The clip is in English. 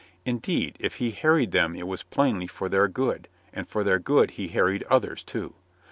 Indeed, if he harried them it was plainly for their good, and for their good he harried others, too.